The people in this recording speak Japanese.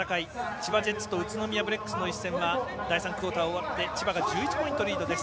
千葉ジェッツと宇都宮ブレックスの一戦は第３クオーター終わって千葉が１１ポイントリードです。